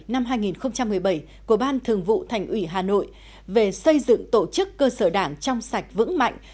năm hai nghìn một mươi bảy của ban thường vụ thành ủy hà nội về xây dựng tổ chức cơ sở đảng trong sạch vững mạnh